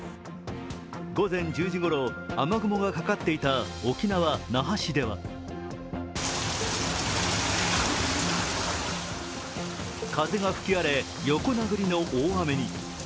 午前１０時ごろ、雨雲がかかっていた沖縄・那覇市では風が吹き荒れ、横なぐりの大雨に。